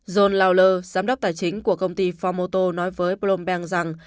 john lauler giám đốc tài chính của công ty formoto nói với bloomberg rằng